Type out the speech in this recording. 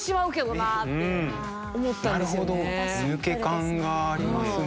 なるほど抜け感がありますね。